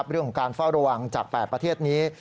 เรื่องของการเฝ้าระวังจาก๘ประเทศนี้